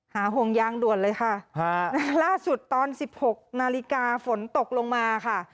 หาห่วงยางด่วนเลยค่ะครับล่าสุดตอนสิบหกนาฬิกาฝนตกลงมาค่ะ